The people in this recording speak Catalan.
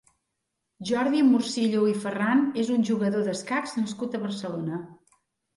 Jordi Morcillo i Ferran és un jugador d'escacs nascut a Barcelona.